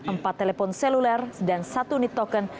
empat telepon seluler dan satu unit token